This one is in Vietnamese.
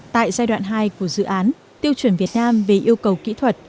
tại giai đoạn hai của dự án tiêu chuẩn việt nam về yêu cầu kỹ thuật